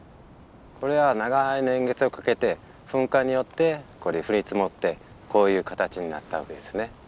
これは長い年月をかけて噴火によって降り積もってこういう形になったわけですね。